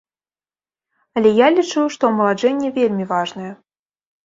Але я лічу, што амаладжэнне вельмі важнае.